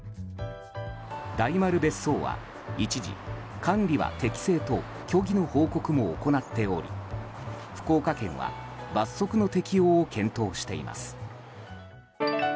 大丸別荘は一時、管理は適正と虚偽の報告も行っており福岡県は罰則の適用を検討しています。